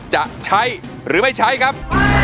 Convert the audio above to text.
จะใช้หรือไม่ใช้ครับ